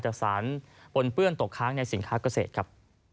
จากสารปนเปื้อนตกค้างในสินค้าเกษตรครับ